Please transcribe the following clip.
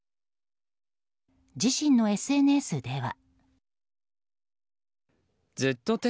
自身のＳＮＳでは。